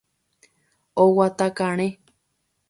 Oguata karẽ.